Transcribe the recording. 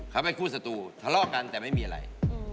เขาเป็นคู่สตูทะเลาะกันแต่ไม่มีอะไร